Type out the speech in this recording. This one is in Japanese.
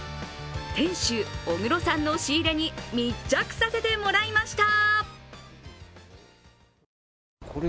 店主・小黒さんの仕入れに密着させてもらいました。